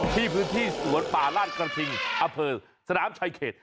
ที่พื้นที่สวนป่าลาดกระทิงอำเภอสนามชายเขต